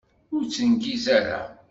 Ur ttengiz ara!